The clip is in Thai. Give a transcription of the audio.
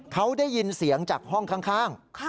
เขาได้ยินเสียงจากห้องข้าง